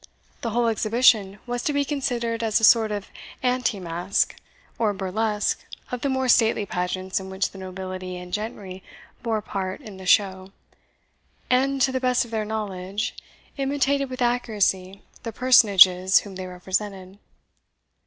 The whole exhibition was to be considered as a sort of anti masque, or burlesque of the more stately pageants in which the nobility and gentry bore part in the show, and, to the best of their knowledge, imitated with accuracy the personages whom they represented.